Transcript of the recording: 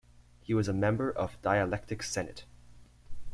He was a member of Dialectic Senate.